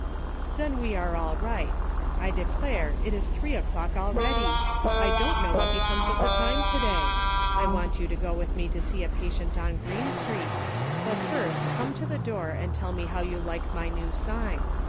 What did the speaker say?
" Then we are all right ; I declare, it is three o'clock already ! I don't know what becomes of the time to day. I want you to go with me to see a patient on Greene Street, but first come to the door and tell me how you like my new sign.